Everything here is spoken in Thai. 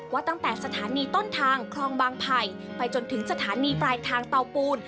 ว่าตั้งแต่สถานีต้นทางคลองบางไผ่ไปจนถึงสถานีปลายทางเตาปูน